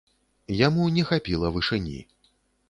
Яму не хапіла вышыні.